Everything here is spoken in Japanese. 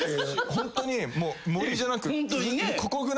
ホントに盛りじゃなく。